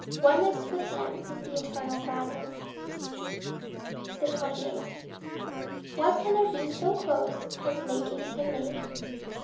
Oneness with him is the eternal gladness. 28. What can there be so close as making and made?